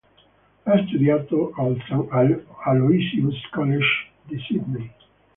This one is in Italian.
Ha studiato al St Aloysius' College di Sydney.